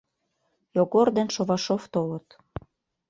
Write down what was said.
Йогор ден Шовашов толыт.